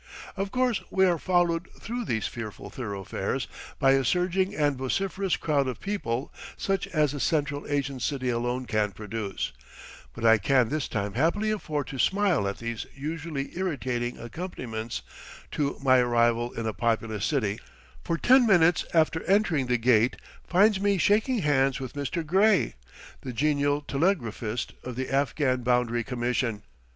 Of course we are followed through these fearful thoroughfares by a surging and vociferous crowd of people such as a Central Asian city alone can produce; but I can this time happily afford to smile at these usually irritating accompaniments to my arrival in a populous city, for ten minutes after entering the gate finds me shaking hands with Mr. Gray, the genial telegraphist of the Afghan Boundary Commission.